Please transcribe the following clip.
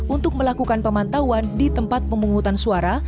untuk melakukan pemantauan di tempat pemungutan suara